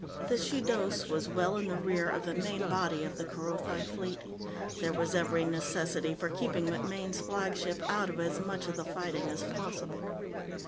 The Shudos was well in the rear of the main body of the Kerothi fleet. There was every necessity for keeping MacMaine's flagship out of as much of the fighting as possible.